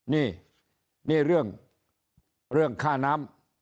นี่นี่เรื่องค่าน้ำ